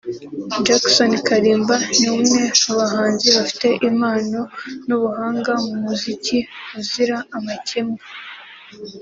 Jackson Kalimba ni umwe mu bahanzi bafite impano n’ubuhanga mu muziki buzira amakemwa